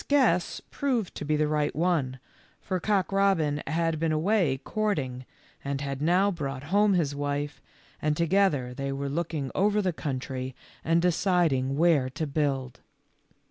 guess proved to be the right one, for Cock robin had been away courting, and had now brought home his wife, and together they were looking over the country and deciding where to build.